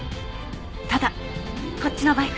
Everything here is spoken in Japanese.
ただこっちのバイク。